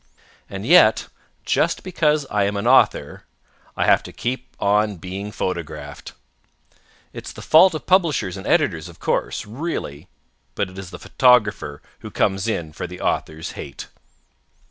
And yet, just because I am an author, I have to keep on being photographed. It is the fault of publishers and editors, of course, really, but it is the photographer who comes in for the author's hate.